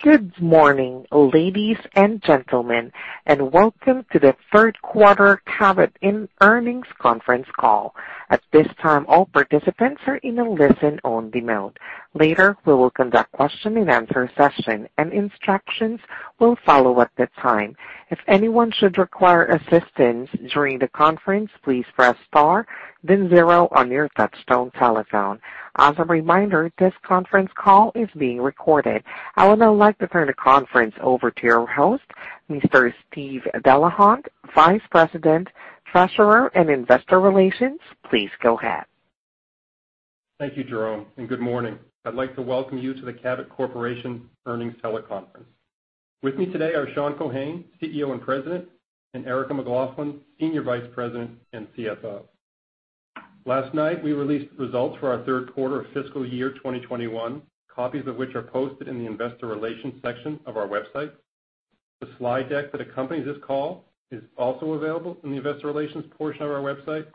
Good morning, ladies and gentlemen, and welcome to the Third Quarter Cabot Earnings Conference Call. At this this time all participants are in a listen only mode. Later we will conduct a question and answer session, and instructions will follow at that time. If anyone should require assistance during the conference, please press star then zero on your touchtone telephone. Also reminder, this conference call is being recorded. I would now like to turn the conference over to your host, Mr. Steve Delahunt, Vice President, Treasurer and Investor Relations. Please go ahead. Thank you, Jerome, and good morning. I'd like to welcome you to the Cabot Corporation Earnings Teleconference. With me today are Sean Keohane, CEO and President, and Erica McLaughlin, Senior Vice President and CFO. Last night, we released results for our third quarter of fiscal year 2021, copies of which are posted in the investor relations section of our website. The slide deck that accompanies this call is also available in the investor relations portion of our website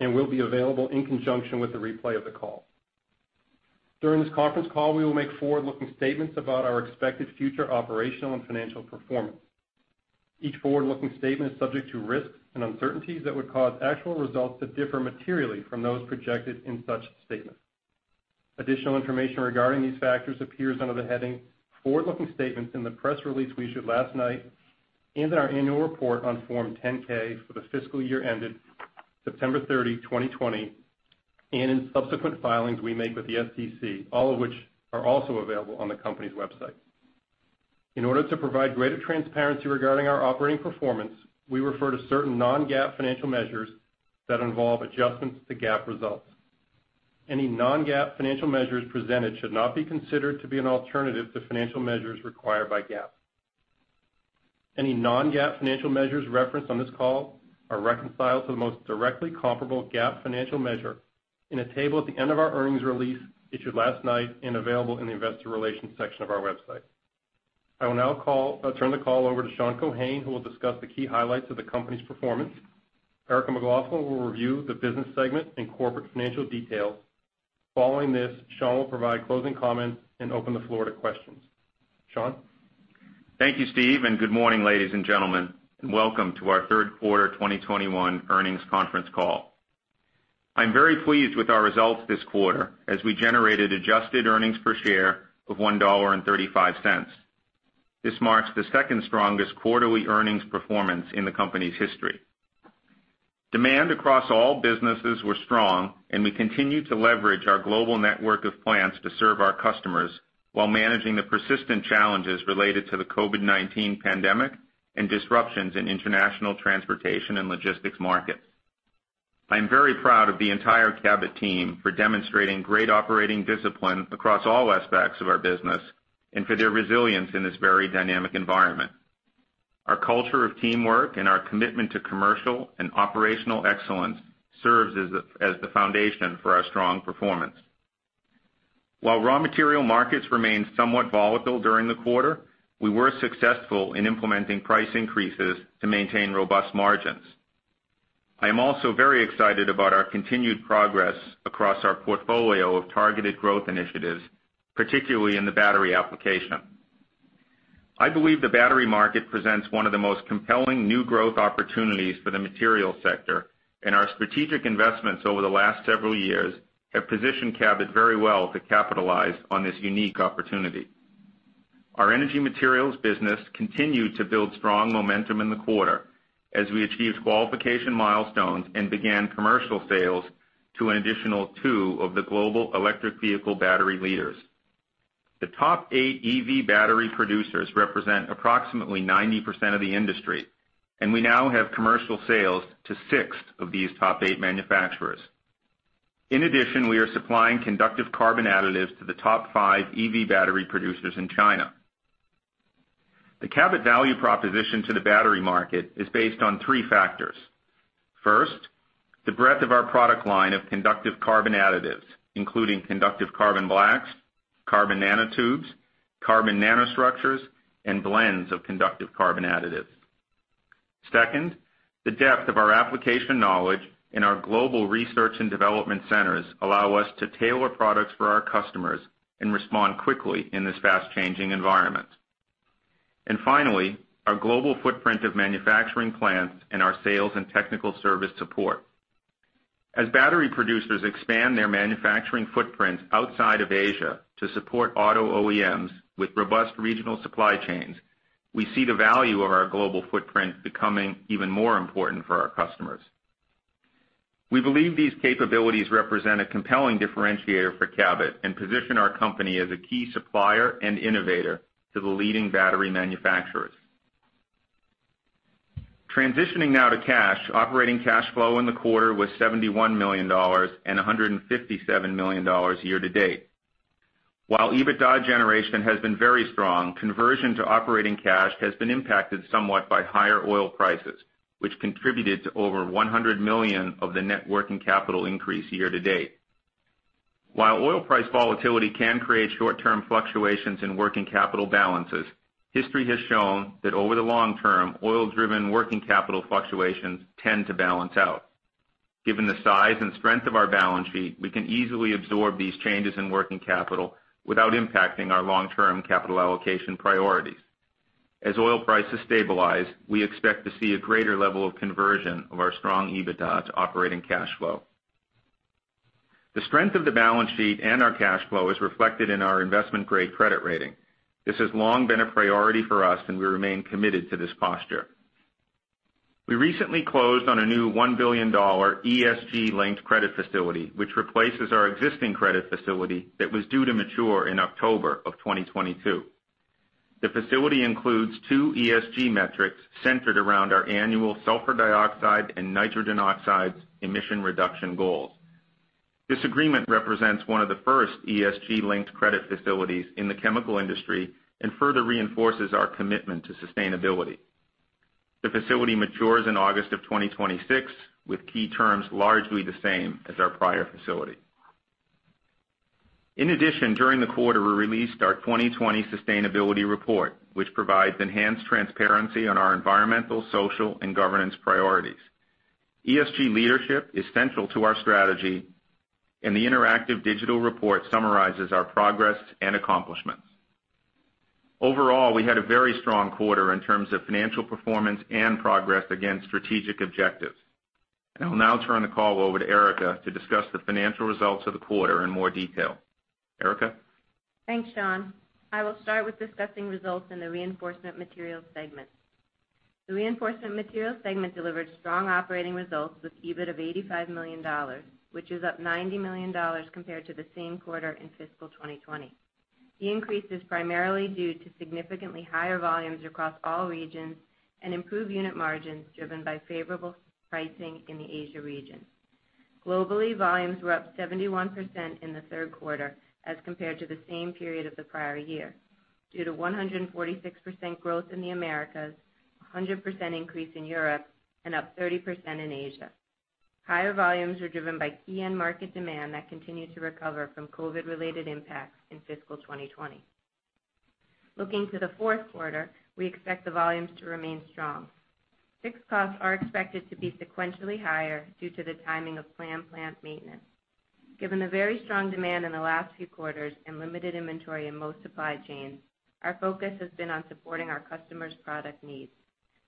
and will be available in conjunction with the replay of the call. During this conference call, we will make forward-looking statements about our expected future operational and financial performance. Each forward-looking statement is subject to risks and uncertainties that would cause actual results to differ materially from those projected in such statements. Additional information regarding these factors appears under the heading Forward-Looking Statements in the press release we issued last night and in our annual report on Form 10-K for the fiscal year ended September 30, 2020, and in subsequent filings we make with the SEC, all of which are also available on the company's website. In order to provide greater transparency regarding our operating performance, we refer to certain non-GAAP financial measures that involve adjustments to GAAP results. Any non-GAAP financial measures presented should not be considered to be an alternative to financial measures required by GAAP. Any non-GAAP financial measures referenced on this call are reconciled to the most directly comparable GAAP financial measure in a table at the end of our earnings release issued last night and available in the investor relations section of our website. I will now turn the call over to Sean Keohane, who will discuss the key highlights of the company's performance. Erica McLaughlin will review the business segment and corporate financial details. Following this, Sean will provide closing comments and open the floor to questions. Sean? Thank you, Steve, and good morning, ladies and gentlemen, and welcome to our Third Quarter 2021 Earnings Conference Call. I'm very pleased with our results this quarter as we generated adjusted earnings per share of $1.35. This marks the second strongest quarterly earnings performance in the company's history. Demand across all businesses was strong, and we continued to leverage our global network of plants to serve our customers while managing the persistent challenges related to the COVID-19 pandemic and disruptions in international transportation and logistics markets. I am very proud of the entire Cabot team for demonstrating great operating discipline across all aspects of our business and for their resilience in this very dynamic environment. Our culture of teamwork and our commitment to commercial and operational excellence serves as the foundation for our strong performance, while raw material markets remained somewhat volatile during the quarter, we were successful in implementing price increases to maintain robust margins. I am also very excited about our continued progress across our portfolio of targeted growth initiatives, particularly in the battery application. I believe the battery market presents one of the most compelling new growth opportunities for the materials sector, and our strategic investments over the last several years have positioned Cabot very well to capitalize on this unique opportunity. Our Energy Materials business continued to build strong momentum in the quarter as we achieved qualification milestones and began commercial sales to an additional two of the global electric vehicle battery leaders. The top eight EV battery producers represent approximately 90% of the industry, and we now have commercial sales to six of these top eight manufacturers. In addition, we are supplying conductive carbon additives to the top five EV battery producers in China. The Cabot value proposition to the battery market is based on three factors. First, the breadth of our product line of conductive carbon additives, including conductive carbon blacks, carbon nanotubes, carbon nanostructures, and blends of conductive carbon additives. Second, the depth of our application knowledge and our global research and development centers allow us to tailor products for our customers and respond quickly in this fast-changing environment. Finally, our global footprint of manufacturing plants and our sales and technical service support. As battery producers expand their manufacturing footprint outside of Asia to support auto OEMs with robust regional supply chains, we see the value of our global footprint becoming even more important for our customers. We believe these capabilities represent a compelling differentiator for Cabot and position our company as a key supplier and innovator to the leading battery manufacturers. Transitioning now to cash, operating cash flow in the quarter was $71 million and $157 million year to date. While EBITDA generation has been very strong, conversion to operating cash has been impacted somewhat by higher oil prices, which contributed to over $100 million of the net working capital increase year to date. While oil price volatility can create short-term fluctuations in working capital balances, history has shown that over the long term, oil-driven working capital fluctuations tend to balance out. Given the size and strength of our balance sheet, we can easily absorb these changes in working capital without impacting our long-term capital allocation priorities. As oil prices stabilize, we expect to see a greater level of conversion of our strong EBITDA to operating cash flow. The strength of the balance sheet and our cash flow is reflected in our investment-grade credit rating. This has long been a priority for us, and we remain committed to this posture. We recently closed on a new $1 billion ESG-linked credit facility, which replaces our existing credit facility that was due to mature in October of 2022. The facility includes two ESG metrics centered around our annual sulfur dioxide and nitrogen oxides emission reduction goals. This agreement represents one of the first ESG-linked credit facilities in the chemical industry and further reinforces our commitment to sustainability. The facility matures in August of 2026, with key terms largely the same as our prior facility. In addition, during the quarter, we released our 2020 sustainability report, which provides enhanced transparency on our environmental, social, and governance priorities. ESG leadership is central to our strategy. The interactive digital report summarizes our progress and accomplishments. Overall, we had a very strong quarter in terms of financial performance and progress against strategic objectives. I will now turn the call over to Erica to discuss the financial results of the quarter in more detail. Erica? Thanks, Sean. I will start with discussing results in the Reinforcement Materials segment. The Reinforcement Materials segment delivered strong operating results with EBIT of $85 million, which is up $90 million compared to the same quarter in fiscal 2020. The increase is primarily due to significantly higher volumes across all regions and improved unit margins driven by favorable pricing in the Asia region. Globally, volumes were up 71% in the third quarter as compared to the same period of the prior year, due to 146% growth in the Americas, 100% increase in Europe, and up 30% in Asia. Higher volumes were driven by key end market demand that continued to recover from COVID-19-related impacts in fiscal 2020. Looking to the fourth quarter, we expect the volumes to remain strong. Fixed costs are expected to be sequentially higher due to the timing of planned plant maintenance. Given the very strong demand in the last few quarters and limited inventory in most supply chains, our focus has been on supporting our customers' product needs.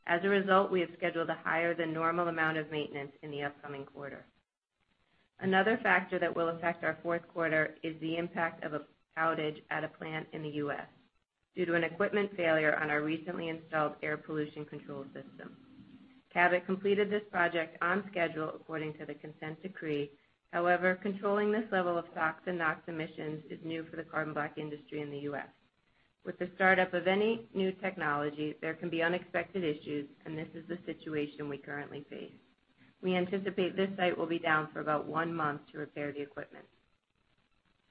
As a result, we have scheduled a higher than normal amount of maintenance in the upcoming quarter. Another factor that will affect our fourth quarter is the impact of an outage at a plant in the U.S. due to an equipment failure on our recently installed air pollution control system. Cabot completed this project on schedule according to the consent decree. However, controlling this level of SOx and NOx emissions is new for the carbon black industry in the U.S. With the startup of any new technology, there can be unexpected issues, and this is the situation we currently face. We anticipate this site will be down for about one month to repair the equipment.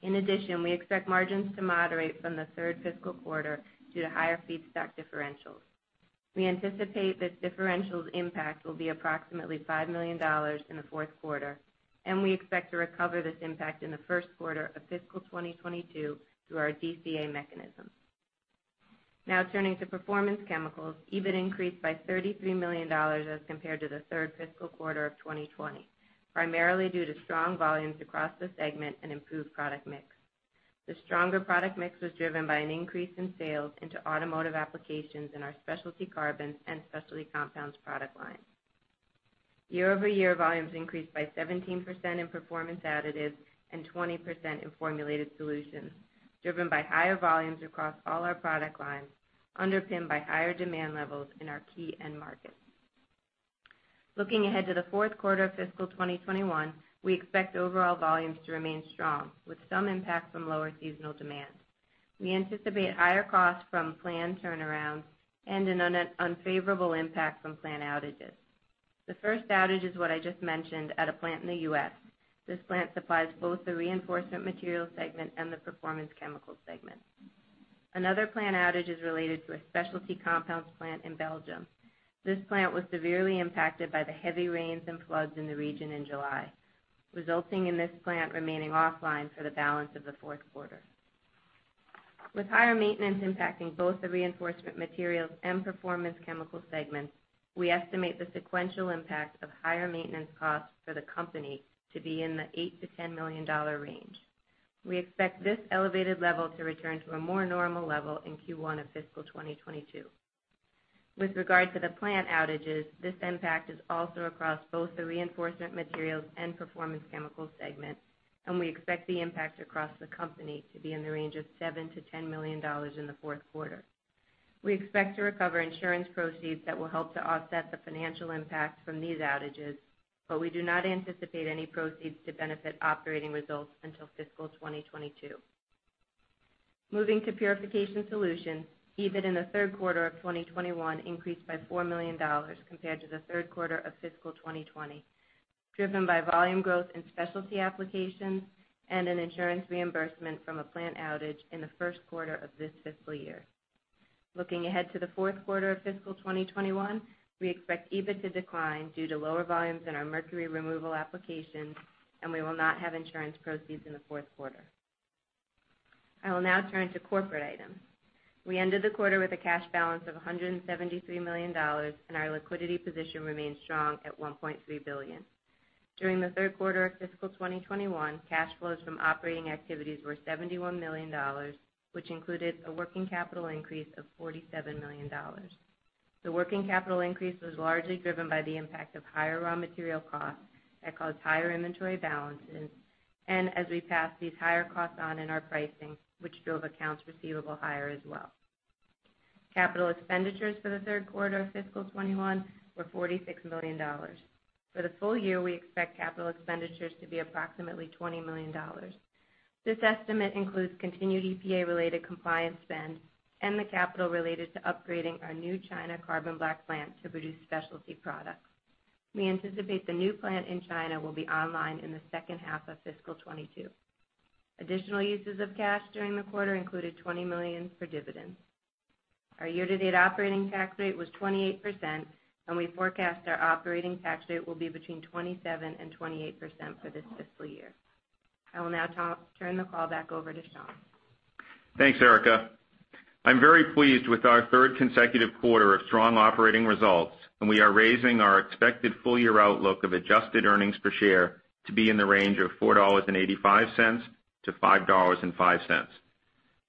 In addition, we expect margins to moderate from the third fiscal quarter due to higher feedstock differentials. We anticipate this differential's impact will be approximately $5 million in the fourth quarter, and we expect to recover this impact in the first quarter of fiscal 2022 through our DCA mechanism. Turning to Performance Chemicals. EBIT increased by $33 million as compared to the third fiscal quarter of 2020, primarily due to strong volumes across the segment and improved product mix. The stronger product mix was driven by an increase in sales into automotive applications in our specialty carbons and specialty compounds product lines. Year-over-year volumes increased by 17% in performance additives and 20% in formulated solutions, driven by higher volumes across all our product lines, underpinned by higher demand levels in our key end markets. Looking ahead to the fourth quarter of fiscal 2021, we expect overall volumes to remain strong, with some impact from lower seasonal demand. We anticipate higher costs from planned turnarounds and an unfavorable impact from plant outages. The first outage is what I just mentioned at a plant in the U.S. This plant supplies both the Reinforcement Materials segment and the Performance Chemicals segment. Another plant outage is related to a specialty compounds plant in Belgium. This plant was severely impacted by the heavy rains and floods in the region in July, resulting in this plant remaining offline for the balance of the fourth quarter. With higher maintenance impacting both the Reinforcement Materials and Performance Chemicals segments, we estimate the sequential impact of higher maintenance costs for the company to be in the $8 million-$10 million range. We expect this elevated level to return to a more normal level in Q1 of fiscal 2022. With regard to the plant outages, this impact is also across both the Reinforcement Materials and Performance Chemicals segments, and we expect the impact across the company to be in the range of $7 million-$10 million in the fourth quarter. We expect to recover insurance proceeds that will help to offset the financial impact from these outages, but we do not anticipate any proceeds to benefit operating results until fiscal 2022. Moving to Purification Solutions. EBIT in the third quarter of 2021 increased by $4 million compared to the third quarter of fiscal 2020, driven by volume growth in specialty applications and an insurance reimbursement from a plant outage in the first quarter of this fiscal year. Looking ahead to the fourth quarter of fiscal 2021, we expect EBIT to decline due to lower volumes in our mercury removal applications, and we will not have insurance proceeds in the fourth quarter. I will now turn to corporate items. We ended the quarter with a cash balance of $173 million, and our liquidity position remains strong at $1.3 billion. During the third quarter of fiscal 2021, cash flows from operating activities were $71 million, which included a working capital increase of $47 million. The working capital increase was largely driven by the impact of higher raw material costs that caused higher inventory balances, and as we passed these higher costs on in our pricing, which drove accounts receivable higher as well. Capital expenditures for the third quarter of fiscal 2021 were $46 million. For the full year, we expect capital expenditures to be approximately $20 million. This estimate includes continued EPA-related compliance spend and the capital related to upgrading our new China carbon black plant to produce specialty products. We anticipate the new plant in China will be online in the second half of fiscal 2022. Additional uses of cash during the quarter included $20 million for dividends. Our year-to-date operating tax rate was 28%, and we forecast our operating tax rate will be between 27% and 28% for this fiscal year. I will now turn the call back over to Sean. Thanks, Erica. I'm very pleased with our third consecutive quarter of strong operating results. We are raising our expected full-year outlook of adjusted earnings per share to be in the range of $4.85-$5.05.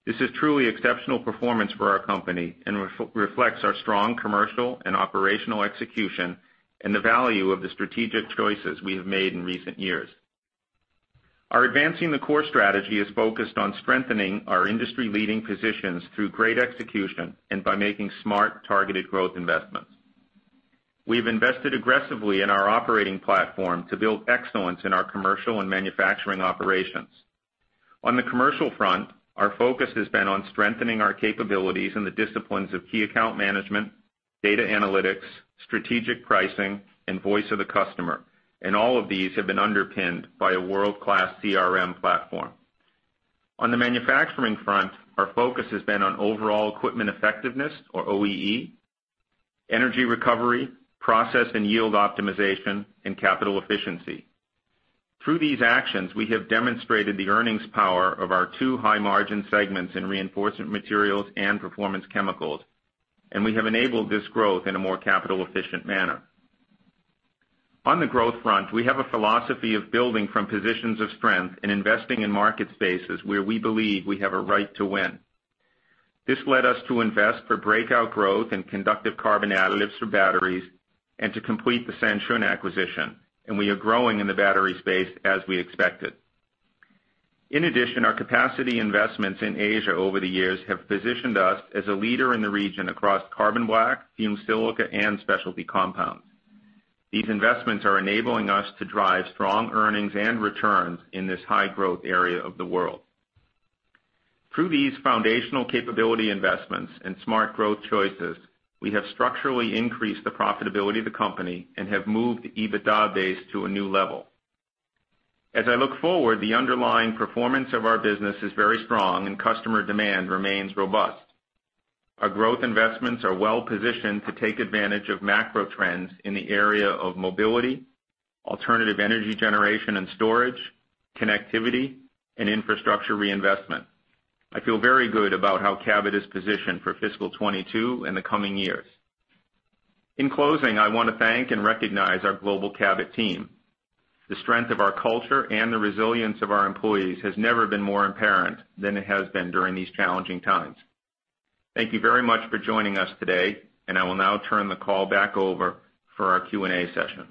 This is truly exceptional performance for our company and reflects our strong commercial and operational execution and the value of the strategic choices we have made in recent years. Our Advancing the Core strategy is focused on strengthening our industry-leading positions through great execution and by making smart, targeted growth investments. We've invested aggressively in our operating platform to build excellence in our commercial and manufacturing operations. On the commercial front, our focus has been on strengthening our capabilities in the disciplines of key account management, data analytics, strategic pricing, and voice of the customer. All of these have been underpinned by a world-class CRM platform. On the manufacturing front, our focus has been on overall equipment effectiveness or OEE, energy recovery, process and yield optimization, and capital efficiency. Through these actions, we have demonstrated the earnings power of our two high-margin segments in Reinforcement Materials and Performance Chemicals, and we have enabled this growth in a more capital-efficient manner. On the growth front, we have a philosophy of building from positions of strength and investing in market spaces where we believe we have a right to win. This led us to invest for breakout growth in conductive carbon additives for batteries and to complete the Sanshun acquisition, and we are growing in the battery space as we expected. In addition, our capacity investments in Asia over the years have positioned us as a leader in the region across carbon black, fumed silica, and specialty compounds. These investments are enabling us to drive strong earnings and returns in this high-growth area of the world. Through these foundational capability investments and smart growth choices, we have structurally increased the profitability of the company and have moved EBITDA base to a new level. As I look forward, the underlying performance of our business is very strong, and customer demand remains robust. Our growth investments are well-positioned to take advantage of macro trends in the area of mobility, alternative energy generation and storage, connectivity, and infrastructure reinvestment. I feel very good about how Cabot is positioned for fiscal 2022 and the coming years. In closing, I want to thank and recognize our global Cabot team. The strength of our culture and the resilience of our employees has never been more apparent than it has been during these challenging times. Thank you very much for joining us today. I will now turn the call back over for our Q&A session.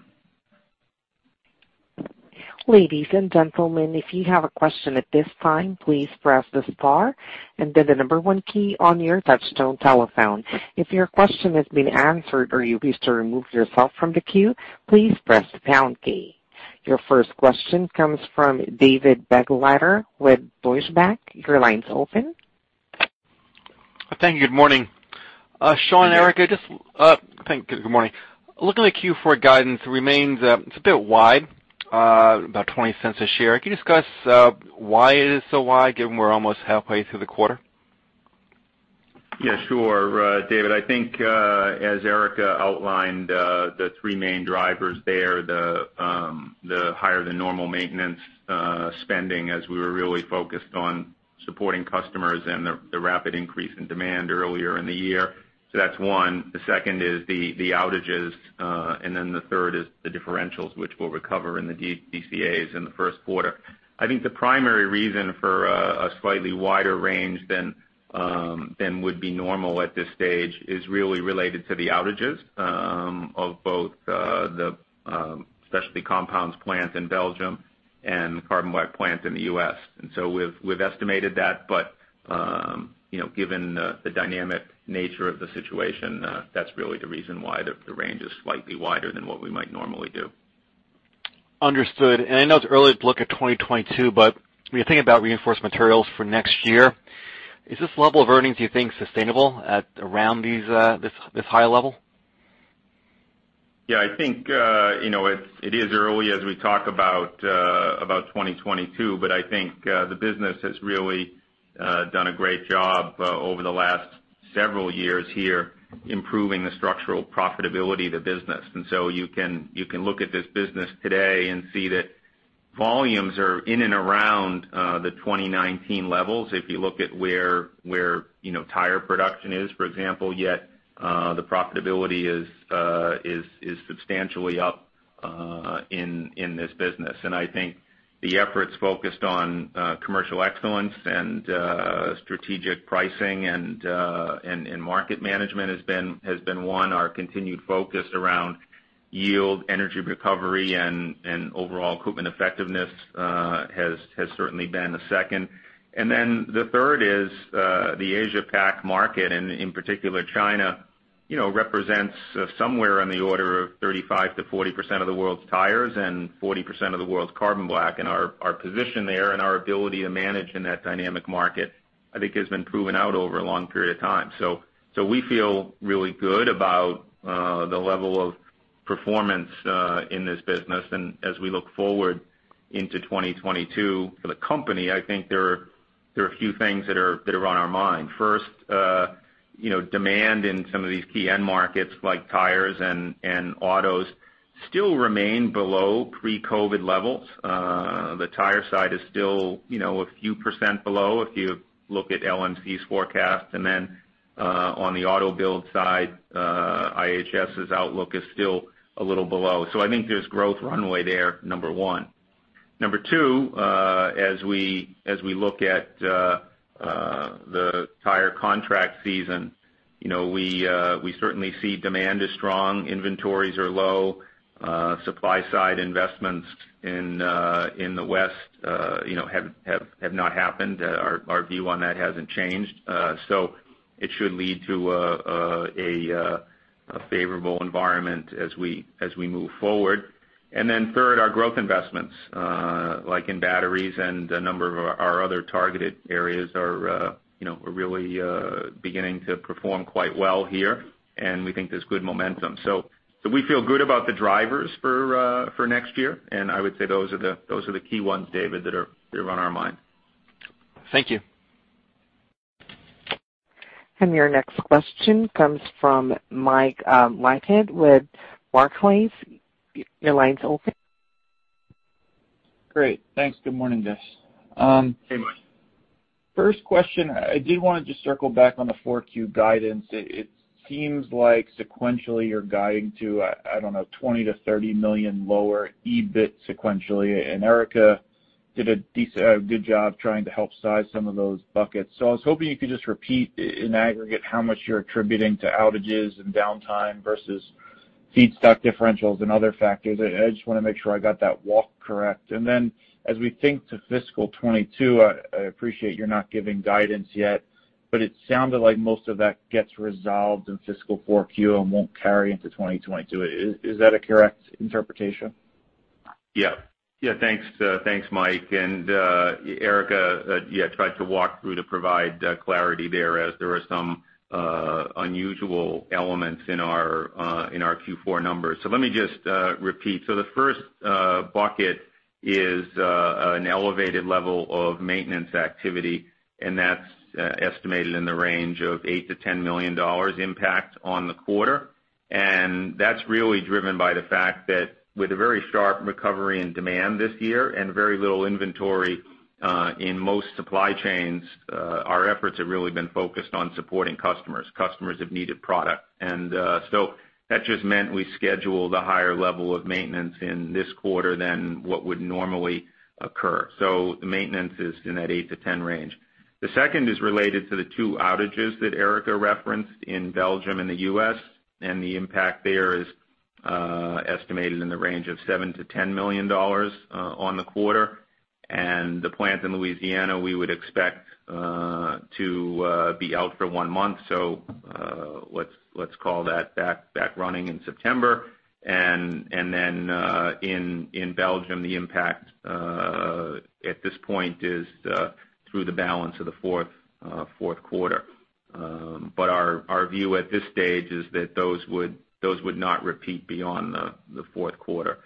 Ladies and gentleman if you have a question at this time, please press the star and the number one key on your touchtone telephone if you're question has been answered or you please to remove yourself from the queue, please press pound key. Your first question comes from David Begleiter with Deutsche Bank. Your line's open. Thank you. Good morning. Sean, Erica, thank you. Good morning. Looking at the Q4 guidance, it's a bit wide, about $0.20 a share. Can you discuss why it is so wide given we're almost halfway through the quarter? Yeah, sure, David. I think, as Erica outlined, the three main drivers there, the higher-than-normal maintenance spending as we were really focused on supporting customers and the rapid increase in demand earlier in the year. That's one. The second is the outages, the third is the differentials which we'll recover in the DCAs in the first quarter. I think the primary reason for a slightly wider range than would be normal at this stage is really related to the outages of both the specialty compounds plant in Belgium and the carbon black plant in the U.S. We've estimated that, but given the dynamic nature of the situation, that's really the reason why the range is slightly wider than what we might normally do. Understood. I know it's early to look at 2022, but when you think about Reinforcement Materials for next year, is this level of earnings, do you think, sustainable at around this high level? Yeah, I think it is early as we talk about 2022, but I think the business has really done a great job over the last several years here improving the structural profitability of the business. You can look at this business today and see that volumes are in and around the 2019 levels. If you look at where tire production is, for example, yet the profitability is substantially up in this business. I think the efforts focused on commercial excellence and strategic pricing and market management has been one. Our continued focus around yield, energy recovery, and overall equipment effectiveness has certainly been the second. The third is the Asia Pac market, and in particular China represents somewhere in the order of 35%-40% of the world's tires and 40% of the world's carbon black. Our position there and our ability to manage in that dynamic market, I think, has been proven out over a long period of time. We feel really good about the level of performance in this business. As we look forward into 2022 for the company, I think there are a few things that are on our mind. First, demand in some of these key end markets like tires and autos still remain below pre-COVID-19 levels. The tire side is still a few % below if you look at LMC's forecast. On the auto build side IHS's outlook is still a little below. I think there's growth runway there, number 1. Number 2, as we look at the tire contract season, we certainly see demand is strong, inventories are low, supply side investments in the West have not happened. Our view on that hasn't changed. It should lead to a favorable environment as we move forward. Third, our growth investments, like in batteries and a number of our other targeted areas are really beginning to perform quite well here, and we think there's good momentum. We feel good about the drivers for next year, and I would say those are the key ones, David, that are on our mind. Thank you. Your next question comes from Mike Leithead with Barclays. Your line's open. Great. Thanks. Good morning, guys. Hey, Mike. First question, I did want to just circle back on the 4Q guidance. It seems like sequentially you're guiding to, I don't know, $20 million-$30 million lower EBIT sequentially, and Erica did a good job trying to help size some of those buckets. I was hoping you could just repeat in aggregate how much you're attributing to outages and downtime versus feedstock differentials and other factors. I just want to make sure I got that walk correct. As we think to fiscal 2022, I appreciate you're not giving guidance yet, but it sounded like most of that gets resolved in fiscal 4Q and won't carry into 2022. Is that a correct interpretation? Yeah. Thanks, Mike. Erica tried to walk through to provide clarity there as there are some unusual elements in our Q4 numbers. Let me just repeat. The first bucket is an elevated level of maintenance activity, that's estimated in the range of $8 million-$10 million impact on the quarter. That's really driven by the fact that with a very sharp recovery in demand this year and very little inventory in most supply chains, our efforts have really been focused on supporting customers. Customers have needed product. That just meant we scheduled a higher level of maintenance in this quarter than what would normally occur. The maintenance is in that 8-10 range. The second is related to the two outages that Erica referenced in Belgium and the U.S., and the impact there is estimated in the range of $7 million-$10 million on the quarter. The plant in Louisiana we would expect to be out for one month. Let's call that back running in September. In Belgium, the impact at this point is through the balance of the fourth quarter. Our view at this stage is that those would not repeat beyond the fourth quarter.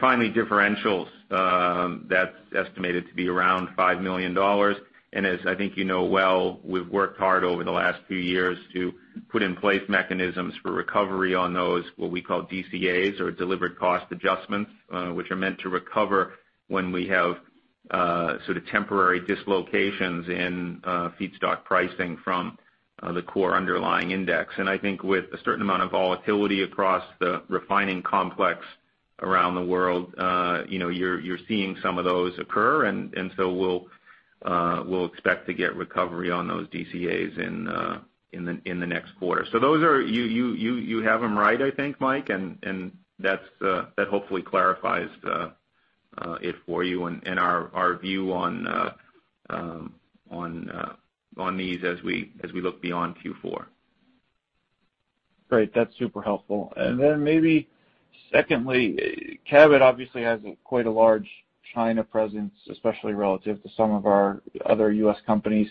Finally, differentials. That's estimated to be around $5 million. As I think you know well, we've worked hard over the last few years to put in place mechanisms for recovery on those, what we call DCAs or delivered cost adjustments. Which are meant to recover when we have sort of temporary dislocations in feedstock pricing from the core underlying index. I think with a certain amount of volatility across the refining complex around the world you're seeing some of those occur. We'll expect to get recovery on those DCAs in the next quarter. You have them right I think, Mike, and that hopefully clarifies it for you and our view on these as we look beyond Q4. Great. That's super helpful. Maybe secondly, Cabot obviously has quite a large China presence, especially relative to some of our other U.S. companies.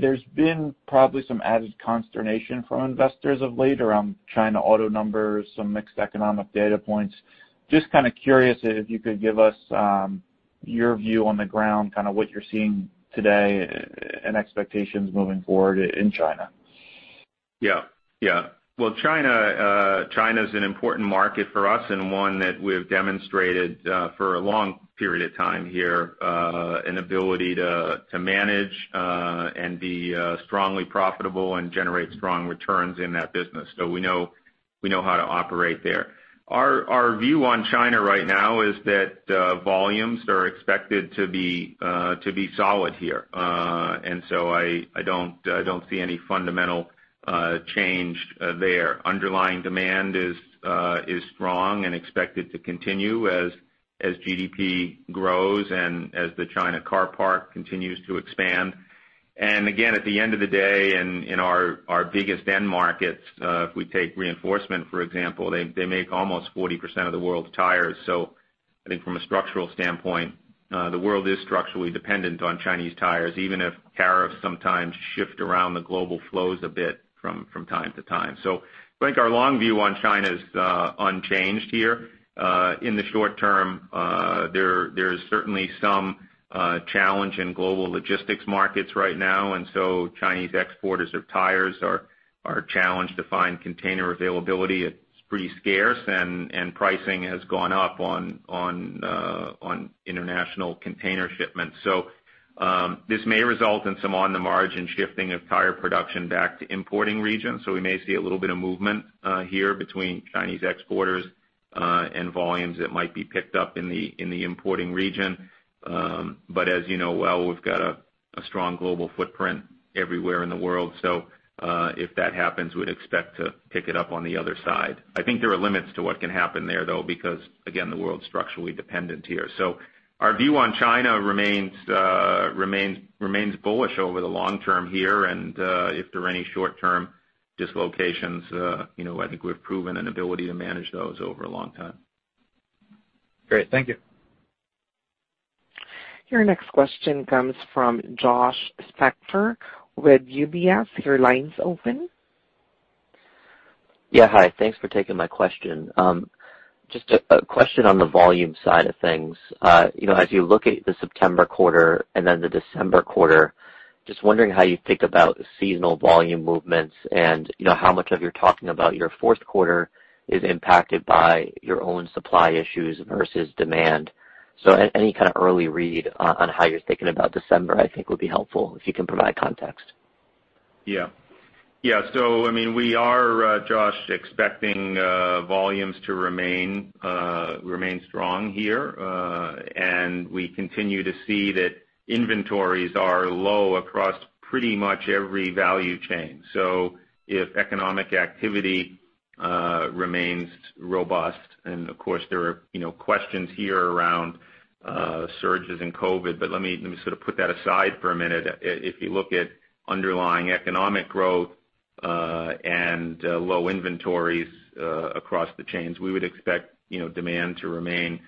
There's been probably some added consternation from investors of late around China auto numbers, some mixed economic data points. Just kind of curious if you could give us your view on the ground, what you're seeing today and expectations moving forward in China. Well, China is an important market for us, one that we have demonstrated for a long period of time here an ability to manage and be strongly profitable and generate strong returns in that business. We know how to operate there. Our view on China right now is that volumes are expected to be solid here. I don't see any fundamental change there. Underlying demand is strong and expected to continue as GDP grows and as the China car park continues to expand. Again, at the end of the day, in our biggest end markets, if we take Reinforcement Materials, for example, they make almost 40% of the world's tires. I think from a structural standpoint, the world is structurally dependent on Chinese tires, even if tariffs sometimes shift around the global flows a bit from time to time. I think our long view on China is unchanged here. In the short term, there is certainly some challenge in global logistics markets right now. Chinese exporters of tires are challenged to find container availability. It's pretty scarce, and pricing has gone up on international container shipments. This may result in some on-the-margin shifting of tire production back to importing regions. We may see a little bit of movement here between Chinese exporters and volumes that might be picked up in the importing region. As you know well, we've got a strong global footprint everywhere in the world. If that happens, we'd expect to pick it up on the other side. I think there are limits to what can happen there, though, because, again, the world's structurally dependent here. Our view on China remains bullish over the long term here, and if there are any short-term dislocations, I think we've proven an ability to manage those over a long time. Great. Thank you. Your next question comes from Josh Spector with UBS. Your line's open. Yeah. Hi. Thanks for taking my question. Just a question on the volume side of things. As you look at the September quarter and then the December quarter, just wondering how you think about seasonal volume movements and how much of you're talking about your fourth quarter is impacted by your own supply issues versus demand. Any kind of early read on how you're thinking about December, I think, would be helpful, if you can provide context. Yeah. We are, Josh, expecting volumes to remain strong here. We continue to see that inventories are low across pretty much every value chain. If economic activity remains robust, and of course, there are questions here around surges in COVID-19, but let me sort of put that aside for a minute. If you look at underlying economic growth and low inventories across the chains, we would expect demand to remain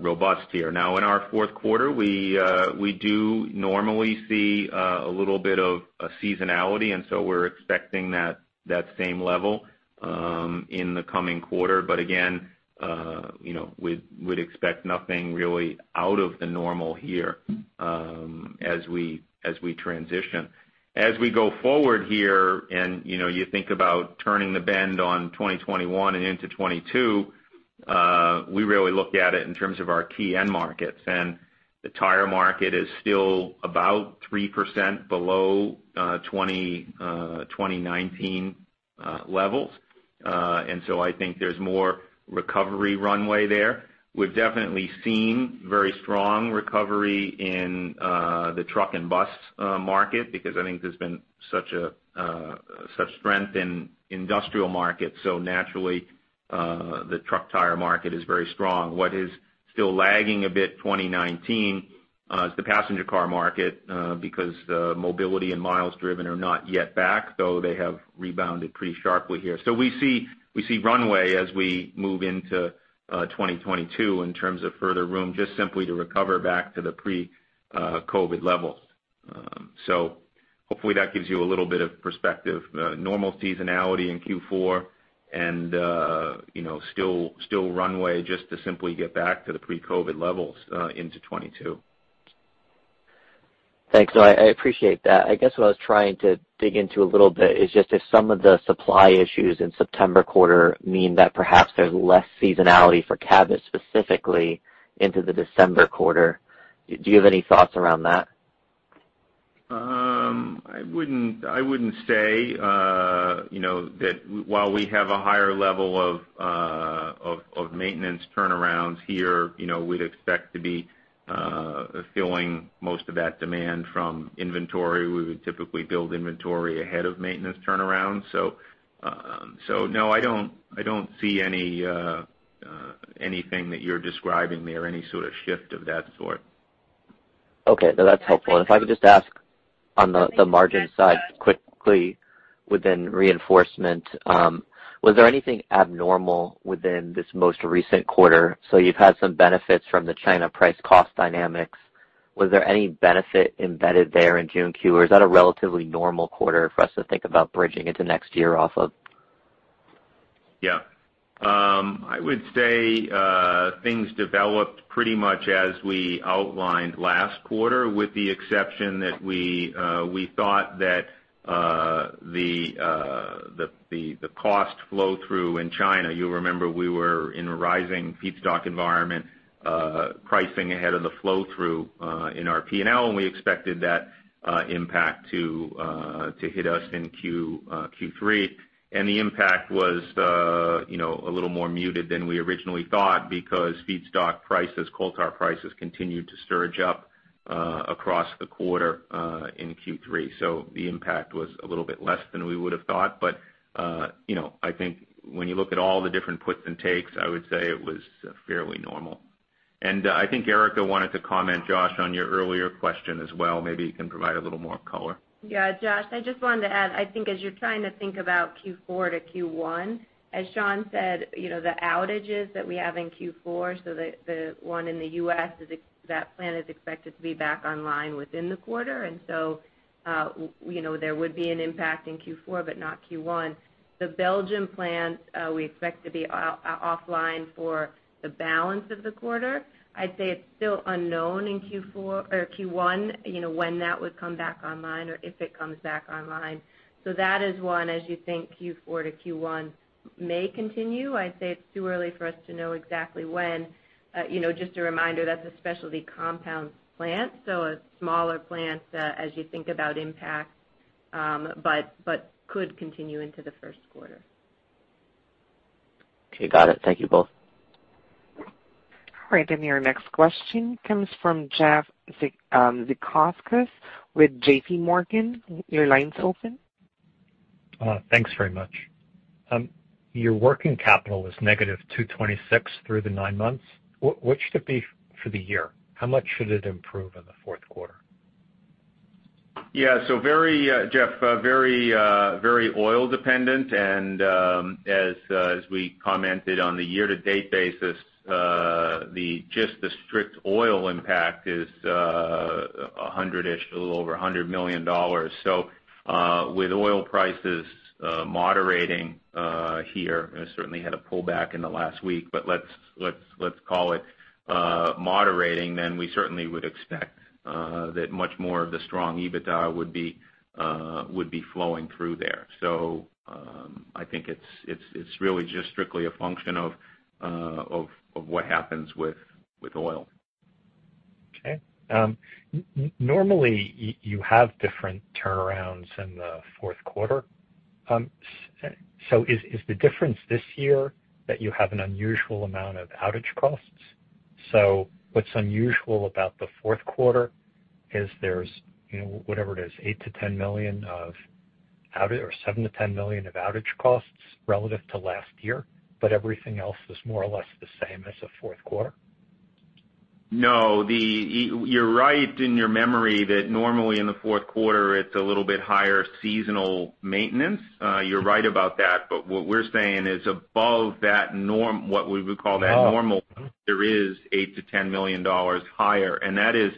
robust here. Now, in our fourth quarter, we do normally see a little bit of a seasonality, and so we're expecting that same level in the coming quarter. Again, we'd expect nothing really out of the normal here as we transition. As we go forward here and you think about turning the bend on 2021 and into 2022, we really look at it in terms of our key end markets. The tire market is still about 3% below 2019 levels. I think there's more recovery runway there. We've definitely seen very strong recovery in the truck and bus market because I think there's been such strength in industrial markets. Naturally, the truck tire market is very strong. What is still lagging a bit 2019 is the passenger car market because the mobility and miles driven are not yet back, though they have rebounded pretty sharply here. We see runway as we move into 2022 in terms of further room just simply to recover back to the pre-COVID levels. Hopefully that gives you a little bit of perspective. Normal seasonality in Q4 and still runway just to simply get back to the pre-COVID levels into 2022. Thanks. No, I appreciate that. I guess what I was trying to dig into a little bit is just if some of the supply issues in September quarter mean that perhaps there's less seasonality for Cabot specifically into the December quarter. Do you have any thoughts around that? I wouldn't say that while we have a higher level of maintenance turnarounds here, we'd expect to be filling most of that demand from inventory. We would typically build inventory ahead of maintenance turnaround. No, I don't see anything that you're describing there or any sort of shift of that sort. Okay. No, that's helpful. If I could just ask on the margin side quickly within Reinforcement Materials, was there anything abnormal within this most recent quarter? You've had some benefits from the China price cost dynamics. Was there any benefit embedded there in June Q? Or is that a relatively normal quarter for us to think about bridging into next year off of? I would say things developed pretty much as we outlined last quarter, with the exception that we thought that the cost flow-through in China, you remember we were in a rising feedstock environment pricing ahead of the flow-through in our P&L, and we expected that impact to hit us in Q3. The impact was a little more muted than we originally thought because feedstock prices, coal tar prices continued to surge up across the quarter in Q3. The impact was a little bit less than we would've thought. I think when you look at all the different puts and takes, I would say it was fairly normal. I think Erica wanted to comment, Josh, on your earlier question as well. Maybe you can provide a little more color. Josh, I just wanted to add, I think as you're trying to think about Q4 to Q1, as Sean said, the outages that we have in Q4, so the one in the U.S., that plant is expected to be back online within the quarter. There would be an impact in Q4, but not Q1. The Belgium plant we expect to be offline for the balance of the quarter. I'd say it's still unknown in Q1 when that would come back online or if it comes back online. That is one as you think Q4 to Q1 may continue. I'd say it's too early for us to know exactly when. Just a reminder, that's a specialty compounds plant, so a smaller plant as you think about impact, but could continue into the first quarter. Okay, got it. Thank you both. All right, your next question comes from Jeff Zekauskas with J.P. Morgan. Your line's open. Thanks very much. Your working capital is negative $226 through the nine months. What should it be for the year? How much should it improve in the fourth quarter? Yeah. Jeff, very oil dependent and as we commented on the year to date basis, just the strict oil impact is 100-ish, a little over $100 million. With oil prices moderating here, certainly had a pullback in the last week, but let's call it moderating, then we certainly would expect that much more of the strong EBITDA would be flowing through there. I think it's really just strictly a function of what happens with oil. Okay. Normally you have different turnarounds in the fourth quarter. Is the difference this year that you have an unusual amount of outage costs? What's unusual about the fourth quarter is there's whatever it is, $8 million-$10 million of outage, or $7 million-$10 million of outage costs relative to last year. Everything else is more or less the same as a fourth quarter? You're right in your memory that normally in the fourth quarter it's a little bit higher seasonal maintenance. You're right about that. What we're saying is above that norm. There is $8 million-$10 million higher. That is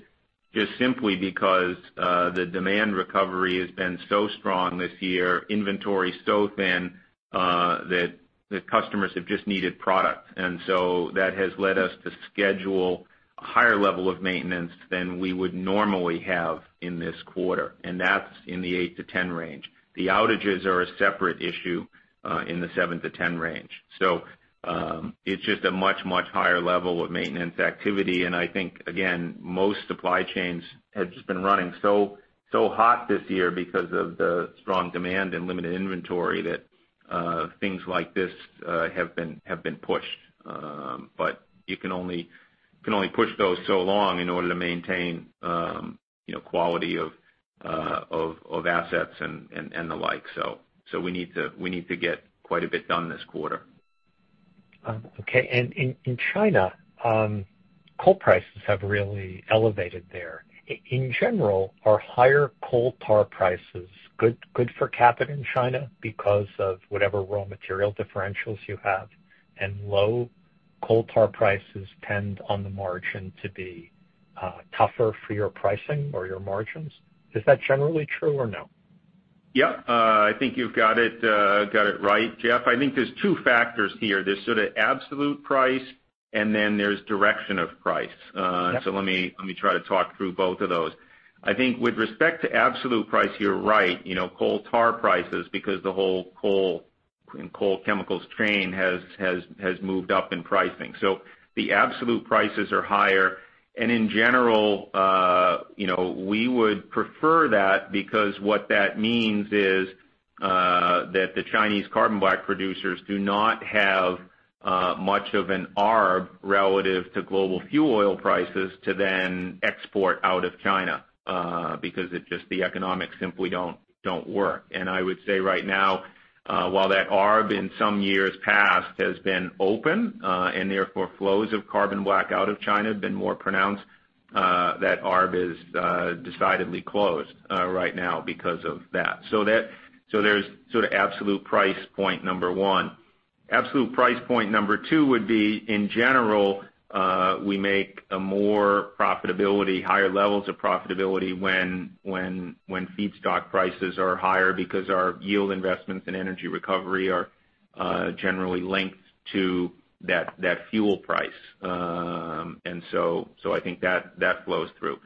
just simply because the demand recovery has been so strong this year, inventory so thin that the customers have just needed product. That has led us to schedule a higher level of maintenance than we would normally have in this quarter. That is in the $8 million-$10 million range. The outages are a separate issue in the $7 million-$10 million range. It is just a much, much higher level of maintenance activity. I think again, most supply chains have just been running so hot this year because of the strong demand and limited inventory that things like this have been pushed. You can only push those so long in order to maintain quality of assets and the like. We need to get quite a bit done this quarter. Okay. In China, coal prices have really elevated there. In general, are higher coal tar prices good for Cabot in China because of whatever raw material differentials you have, and low coal tar prices tend on the margin to be tougher for your pricing or your margins? Is that generally true or no? Yeah. I think you've got it right, Jeff. I think there's 2 factors here. There's sort of absolute price, and then there's direction of price. Yep. Let me try to talk through both of those. I think with respect to absolute price, you're right. coal tar prices, because the whole coal and coal chemicals chain has moved up in pricing. The absolute prices are higher. In general we would prefer that because what that means is that the Chinese carbon black producers do not have much of an arb relative to global fuel oil prices to then export out of China, because the economics simply don't work. I would say right now while that arb in some years past has been open, and therefore flows of carbon black out of China have been more pronounced, that arb is decidedly closed right now because of that. There's sort of absolute price point number one. Absolute price point number two would be, in general, we make a more profitability, higher levels of profitability when feedstock prices are higher because our yield investments in energy recovery are generally linked to that fuel price. I think that flows through.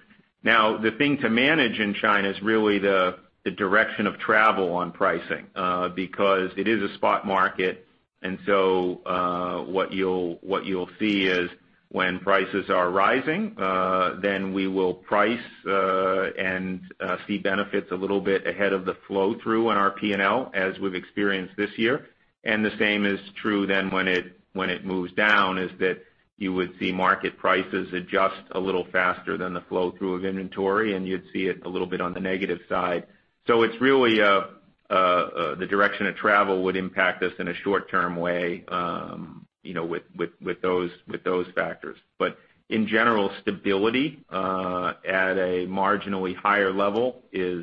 Now, the thing to manage in China is really the direction of travel on pricing, because it is a spot market, and so what you'll see is when prices are rising, then we will price and see benefits a little bit ahead of the flow-through on our P&L, as we've experienced this year. The same is true then when it moves down, is that you would see market prices adjust a little faster than the flow-through of inventory, and you'd see it a little bit on the negative side. It's really the direction of travel would impact us in a short-term way with those factors. In general, stability at a marginally higher level is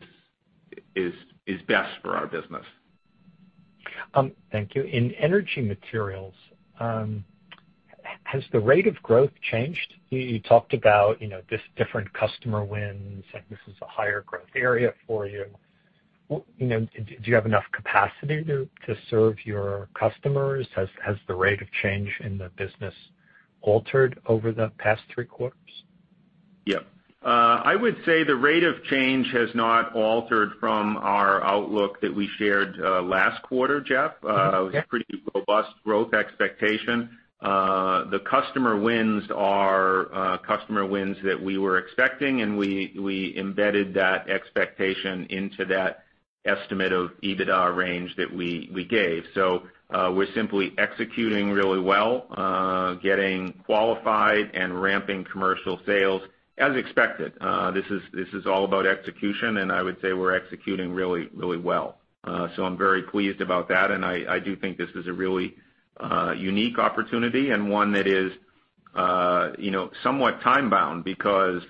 best for our business. Thank you. In Energy Materials, has the rate of growth changed? You talked about this different customer wins, and this is a higher growth area for you. Do you have enough capacity to serve your customers? Has the rate of change in the business altered over the past three quarters? Yeah. I would say the rate of change has not altered from our outlook that we shared last quarter, Jeff. Okay. Pretty robust growth expectation. The customer wins are customer wins that we were expecting, and we embedded that expectation into that estimate of EBITDA range that we gave. We're simply executing really well, getting qualified, and ramping commercial sales as expected. This is all about execution, and I would say we're executing really well. I'm very pleased about that, and I do think this is a really unique opportunity and one that is somewhat time-bound because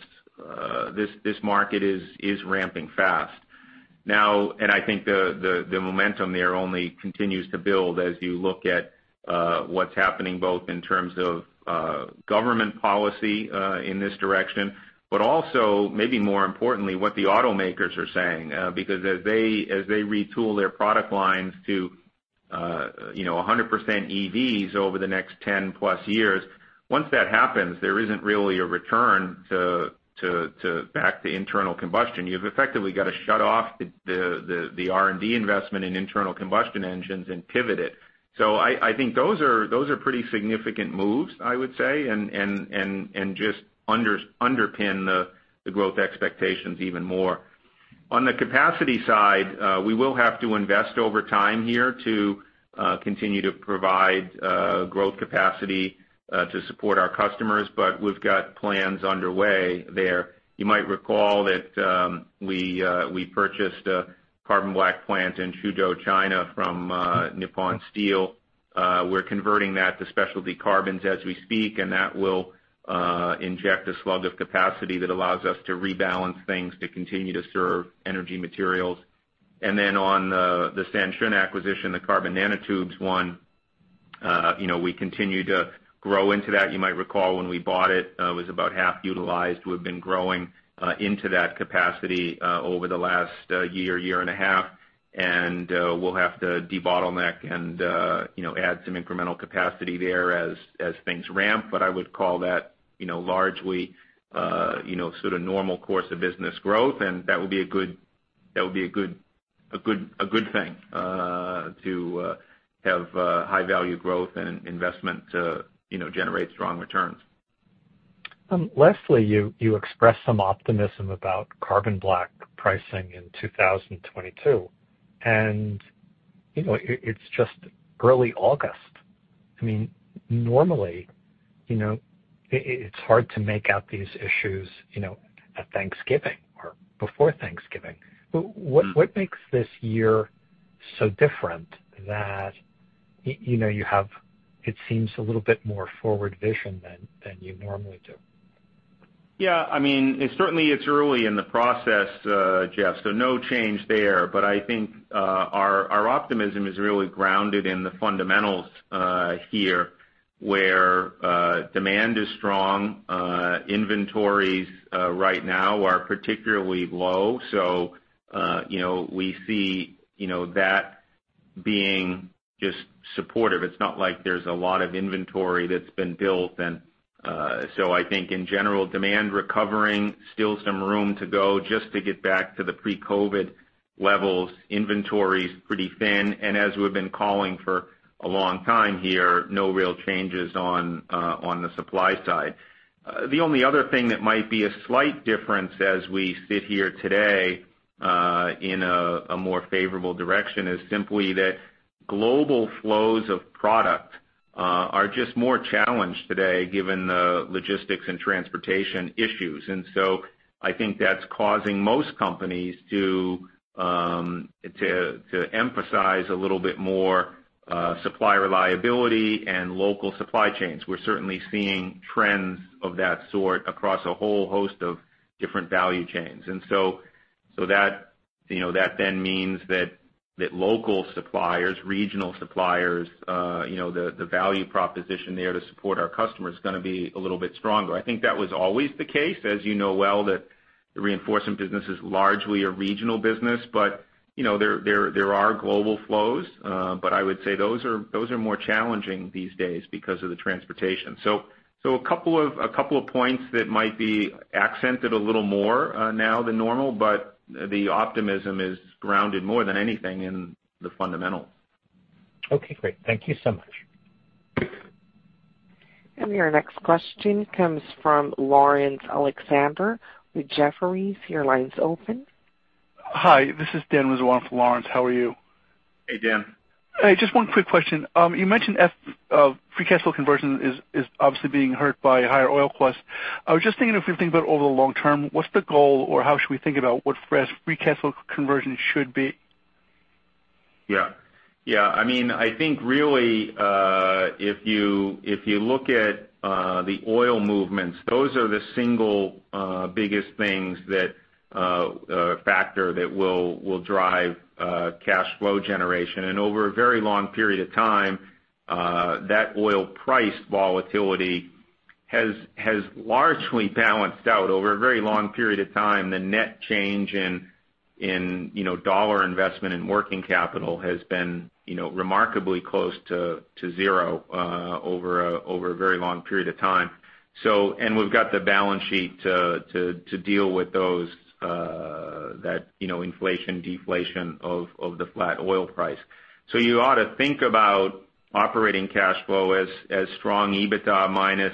this market is ramping fast. I think the momentum there only continues to build as you look at what's happening both in terms of government policy in this direction, but also, maybe more importantly, what the automakers are saying. As they retool their product lines to 100% EVs over the next 10-plus years, once that happens, there isn't really a return to back to internal combustion. You've effectively got to shut off the R&D investment in internal combustion engines and pivot it. I think those are pretty significant moves, I would say, and just underpin the growth expectations even more. On the capacity side, we will have to invest over time here to continue to provide growth capacity to support our customers, but we've got plans underway there. You might recall that we purchased a carbon black plant in Pizhou, China, from Nippon Steel. We're converting that to specialty carbons as we speak, and that will inject a slug of capacity that allows us to rebalance things to continue to serve Energy Materials. On the Sanshun acquisition, the carbon nanotubes one, we continue to grow into that. You might recall when we bought it was about half utilized. We've been growing into that capacity over the last year and a half, and we'll have to debottleneck and add some incremental capacity there as things ramp. I would call that largely sort of normal course of business growth, and that would be a good thing to have high-value growth and investment to generate strong returns. Lastly, you expressed some optimism about carbon black pricing in 2022. It's just early August. Normally, it's hard to make out these issues at Thanksgiving or before Thanksgiving. What makes this year so different that you have, it seems, a little bit more forward vision than you normally do? Yeah. It certainly it's early in the process, Jeff, no change there. I think our optimism is really grounded in the fundamentals here, where demand is strong. Inventories right now are particularly low, we see that being just supportive. It's not like there's a lot of inventory that's been built. I think in general, demand recovering, still some room to go just to get back to the pre-COVID-19 levels. Inventory's pretty thin. As we've been calling for a long time here, no real changes on the supply side. The only other thing that might be a slight difference as we sit here today in a more favorable direction is simply that global flows of product are just more challenged today given the logistics and transportation issues. I think that's causing most companies to emphasize a little bit more supply reliability and local supply chains. We're certainly seeing trends of that sort across a whole host of different value chains. That then means that local suppliers, regional suppliers, the value proposition there to support our customer is going to be a little bit stronger. I think that was always the case, as you know well, that the Reinforcement Materials business is largely a regional business, but there are global flows. I would say those are more challenging these days because of the transportation. A couple of points that might be accented a little more now than normal, but the optimism is grounded more than anything in the fundamentals. Okay, great. Thank you so much. Your next question comes from Laurence Alexander with Jefferies. Your line's open. Hi, this is Dan Rizzo for Laurence. How are you? Hey, Dan. Hey, just one quick question. You mentioned free cash flow conversion is obviously being hurt by higher oil costs. I was just thinking if you think about over the long term, what's the goal or how should we think about what free cash flow conversion should be? Yeah. I think really, if you look at the oil movements, those are the single biggest things, factor that will drive cash flow generation. Over a very long period of time, that oil price volatility has largely balanced out. Over a very long period of time, the net change in dollar investment in working capital has been remarkably close to zero over a very long period of time. We've got the balance sheet to deal with that inflation, deflation of the flat oil price. You ought to think about operating cash flow as strong EBITDA minus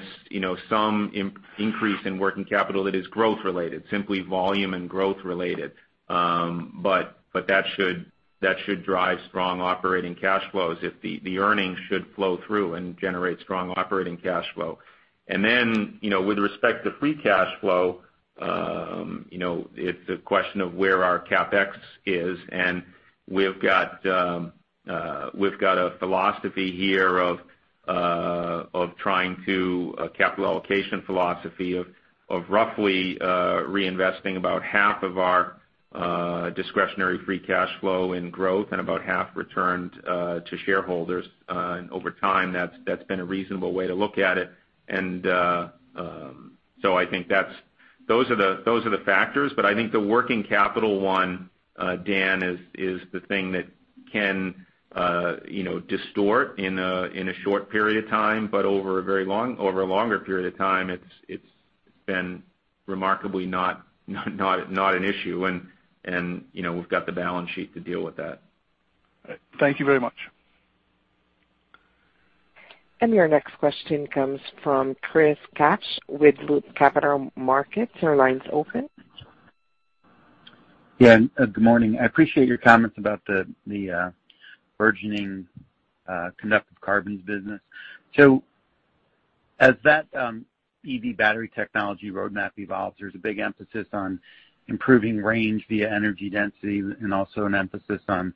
some increase in working capital that is growth-related, simply volume and growth related. That should drive strong operating cash flows if the earnings should flow through and generate strong operating cash flow. With respect to free cash flow, it's a question of where our CapEx is. We've got a philosophy here, a capital allocation philosophy of roughly reinvesting about half of our discretionary free cash flow in growth and about half returned to shareholders. Over time, that's been a reasonable way to look at it. I think those are the factors. I think the working capital one, Dan, is the thing that can distort in a short period of time. Over a longer period of time, it's been remarkably not an issue, and we've got the balance sheet to deal with that. Thank you very much. Your next question comes from Chris Kapsch with Loop Capital Markets. Your line's open. Good morning. I appreciate your comments about the burgeoning conductive carbons business. As that EV battery technology roadmap evolves, there's a big emphasis on improving range via energy density and also an emphasis on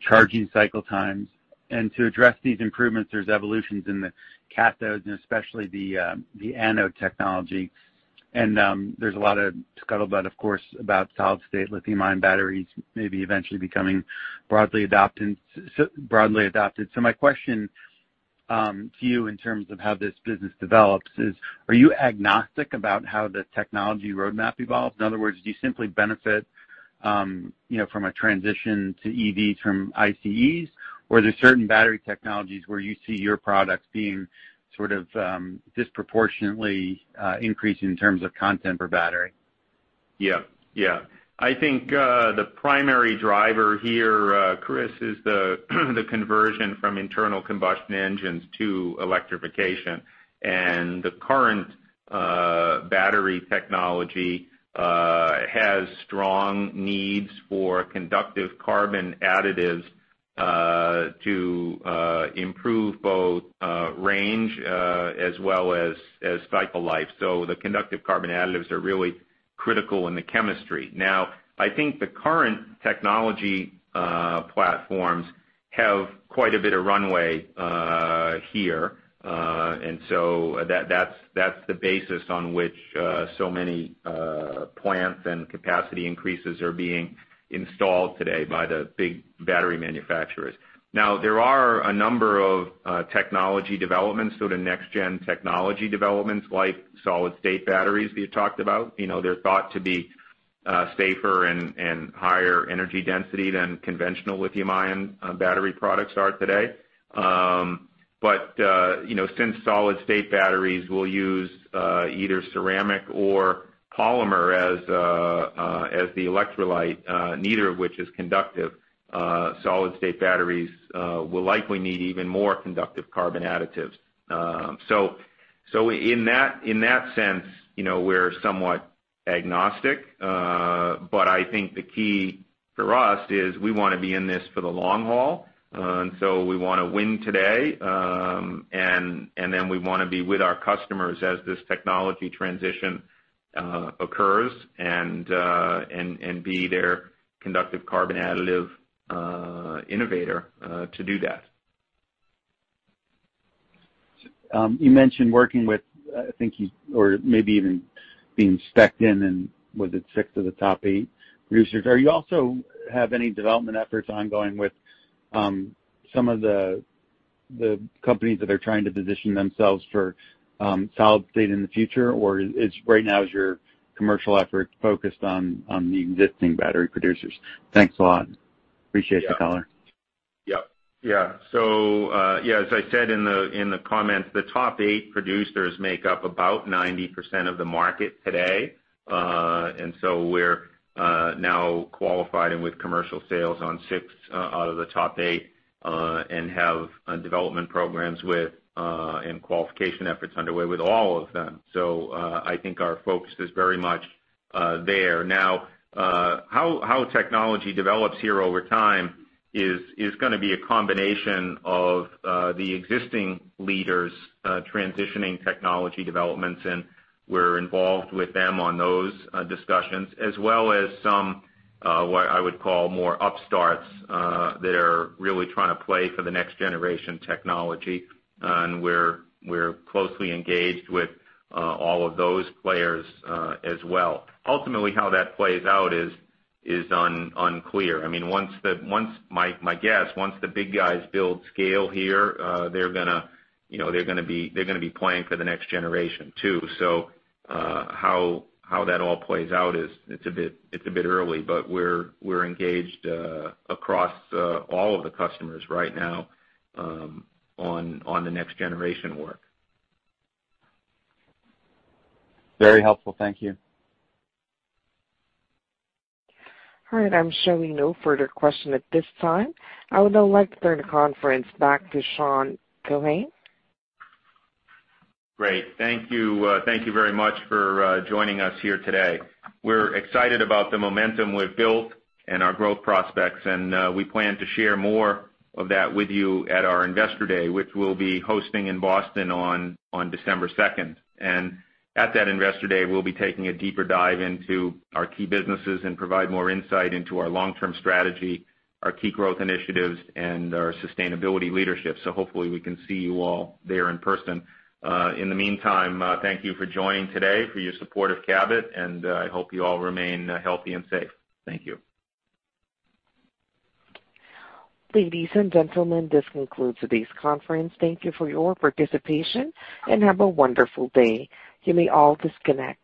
charging cycle times. To address these improvements, there's evolutions in the cathodes and especially the anode technology. There's a lot of scuttlebutt, of course, about solid-state lithium-ion batteries maybe eventually becoming broadly adopted. My question to you in terms of how this business develops is, are you agnostic about how the technology roadmap evolves? In other words, do you simply benefit from a transition to EVs from ICEs? Are there certain battery technologies where you see your products being sort of disproportionately increasing in terms of content per battery? Yeah. I think the primary driver here, Chris, is the conversion from internal combustion engines to electrification. The current battery technology has strong needs for conductive carbon additives to improve both range as well as cycle life. The conductive carbon additives are really critical in the chemistry. Now, I think the current technology platforms have quite a bit of runway here. That's the basis on which so many plants and capacity increases are being installed today by the big battery manufacturers. Now, there are a number of technology developments. The next gen technology developments like solid-state batteries that you talked about. They're thought to be safer and higher energy density than conventional lithium-ion battery products are today. Since solid-state batteries will use either ceramic or polymer as the electrolyte, neither of which is conductive, solid-state batteries will likely need even more conductive carbon additives. In that sense, we're somewhat agnostic. I think the key for us is we want to be in this for the long haul. We want to win today, and then we want to be with our customers as this technology transition occurs and be their conductive carbon additive innovator to do that. You mentioned working with, I think you, or maybe even being specced in in, was it six of the top eight producers? Are you also having any development efforts ongoing with some of the companies that are trying to position themselves for solid-state in the future? Or right now is your commercial effort focused on the existing battery producers? Thanks a lot. Appreciate the color. Yep. Yeah, as I said in the comments, the top eight producers make up about 90% of the market today. We're now qualified and with commercial sales on six out of the top eight, and have development programs with, and qualification efforts underway with all of them. I think our focus is very much there. How technology develops here over time is going to be a combination of the existing leaders transitioning technology developments, and we're involved with them on those discussions, as well as some, what I would call more upstarts that are really trying to play for the next generation technology, and we're closely engaged with all of those players as well. Ultimately, how that plays out is unclear. My guess, once the big guys build scale here, they're going to be playing for the next generation, too. How that all plays out is, it's a bit early. We're engaged across all of the customers right now on the next generation work. Very helpful. Thank you. All right. I'm showing no further question at this time. I would now like to turn the conference back to Sean Keohane. Great. Thank you very much for joining us here today. We're excited about the momentum we've built and our growth prospects. We plan to share more of that with you at our Investor Day, which we'll be hosting in Boston on December 2. At that Investor Day, we'll be taking a deeper dive into our key businesses and provide more insight into our long-term strategy, our key growth initiatives, and our sustainability leadership. Hopefully we can see you all there in person. In the meantime, thank you for joining today, for your support of Cabot, and I hope you all remain healthy and safe. Thank you. Ladies and gentlemen, this concludes today's conference. Thank you for your participation, and have a wonderful day. You may all disconnect.